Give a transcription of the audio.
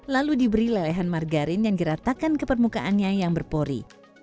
lalu diberi lelehan margarin yang diratakan ke permukaannya yang berpori